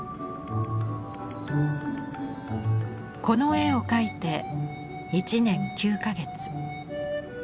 この絵を描いて１年９か月。